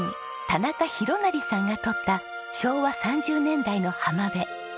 田中裕成さんが撮った昭和３０年代の浜辺。